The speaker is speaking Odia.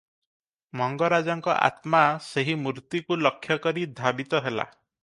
ମଙ୍ଗରାଜଙ୍କ ଆତ୍ମା ସେହି ମୂର୍ତ୍ତିକୁ ଲକ୍ଷ୍ୟକରି ଧାବିତ ହେଲା ।